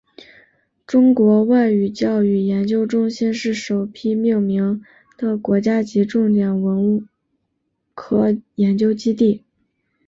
中国外语教育研究中心是首批命名的国家级重点文科研究基地。